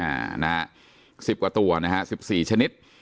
อ่านะฮะสิบกว่าตัวนะฮะสิบสี่ชนิด